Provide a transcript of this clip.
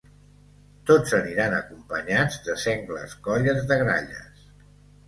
Tots aniran acompanyats de sengles colles de gralles.